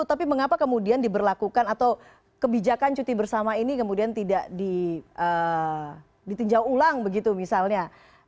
tapi mengapa kemudian diberlakukan atau kebijakan cuti bersama ini kemudian tidak ditinjau ulang begitu misalnya